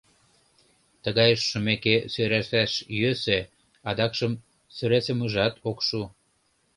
Тыгайыш шумеке, сӧрасаш йӧсӧ, адакшым сӧрасымыжат ок шу.